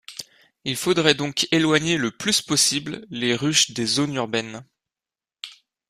Il faudrait donc éloigner le plus possible les ruches des zones urbaines.